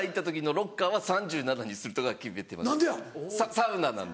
サウナなんで。